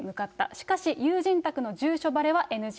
しかし、友人宅の住所ばれはＮＧ。